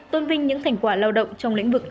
tôn vinh những thành quả lao động trong lĩnh vực nông dân